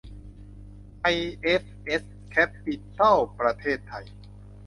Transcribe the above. ไอเอฟเอส แคปปิตอล ประเทศไทย